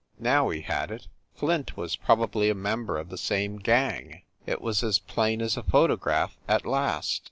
Now he had it! Flint was probably a member of the same gang! It was as plain as a photograph, at last.